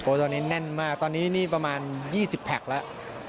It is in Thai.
ตอนนี้แน่นมากตอนนี้นี่ประมาณ๒๐แพคแล้ว